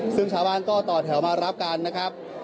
ซึ่งชาวบ้านก็ต่อแถวมารับกันนะครับ